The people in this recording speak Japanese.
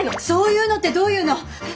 そういうのってどういうの？